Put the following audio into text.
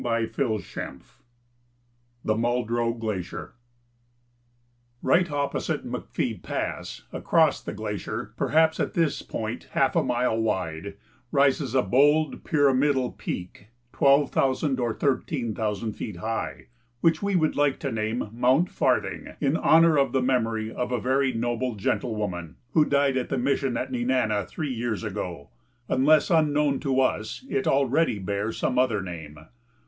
CHAPTER II THE MULDROW GLACIER Right opposite McPhee Pass, across the glacier, perhaps at this point half a mile wide, rises a bold pyramidal peak, twelve thousand or thirteen thousand feet high, which we would like to name Mount Farthing, in honor of the memory of a very noble gentlewoman who died at the mission at Nenana three years ago, unless, unknown to us, it already bear some other name.